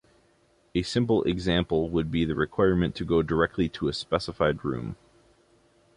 A simple example would be the requirement to go directly to a specified room.